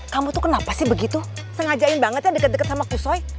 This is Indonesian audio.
kamu tuh kenapa sih begitu sengajain banget ya deket deket sama kusway